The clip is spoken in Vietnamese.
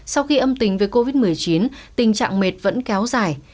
sau khi âm tính với covid một mươi chín tình trạng mệt vẫn kéo dài